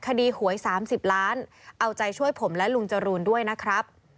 คดีหวย๓๐ล้านเอาใจช่วยผมและลุงจรูนด้วยนะครับ